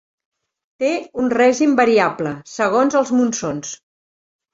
Té un règim variable segons els monsons.